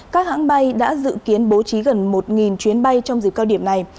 các hãng bay đã dự kiến bố trí gần một chuyến bay trong dịp cao điểm này